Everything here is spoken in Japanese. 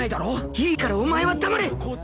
いいからお前は黙れ！